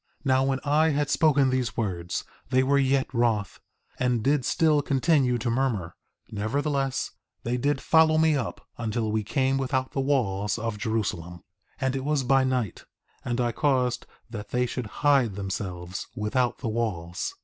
4:4 Now when I had spoken these words, they were yet wroth, and did still continue to murmur; nevertheless they did follow me up until we came without the walls of Jerusalem. 4:5 And it was by night; and I caused that they should hide themselves without the walls.